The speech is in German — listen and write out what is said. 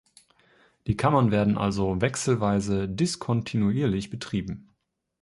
Die Kammern werden also wechselweise, diskontinuierlich, betrieben.